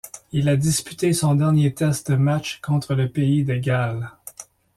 Il a disputé son dernier test match le contre le pays de Galles.